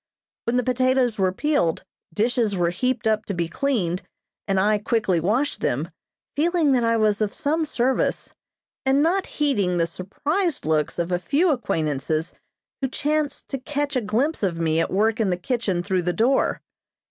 When the potatoes were peeled, dishes were heaped up to be cleaned, and I quickly washed them, feeling that I was of some service, and not heeding the surprised looks of a few acquaintances who chanced to catch a glimpse of me at work in the kitchen through the door.